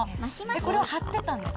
これは張ってたんですか？